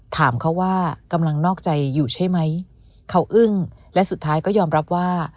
ถามเขาว่ากำลังนอกใจอยู่ใช่ไหมเขาอึ้งและสุดท้ายก็ยอมรับว่า